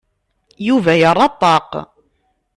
Yuba yerra ṭṭaq.